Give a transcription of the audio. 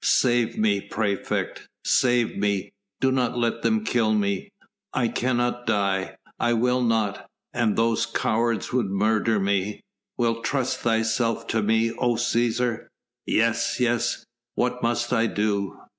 "Save me, praefect.... Save me.... Do not let them kill me.... I cannot die.... I will not ... and those cowards would murder me...." "Wilt trust thyself to me, O Cæsar?" "Yes, yes, what must I do?"